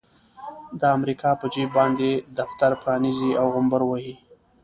د امريکا په جيب باندې دفتر پرانيزي او غومبر وهي.